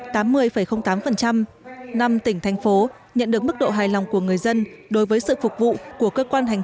năm tỉnh thành phố nhận được mức độ hài lòng của người dân đối với sự phục vụ của cơ quan hành